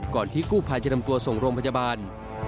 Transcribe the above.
ก่อนที่กู้ภายจะนำตัวส่งโรงพจบาล